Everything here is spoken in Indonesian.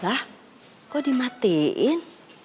lah kok dimatiin